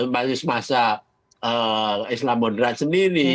basis masa islamudera sendiri